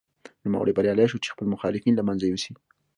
نوموړی بریالی شو چې خپل مخالفین له منځه یوسي.